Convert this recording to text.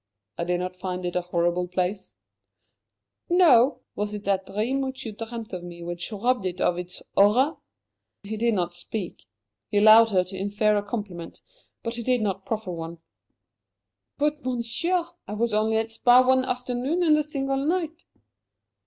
"I did not find it a horrible place." "No? Was it that dream which you dreamt of me which robbed it of its horror?" He did not speak. He allowed her to infer a compliment, but he did not proffer one. "But Monsieur, I was only at Spa one afternoon and a single night."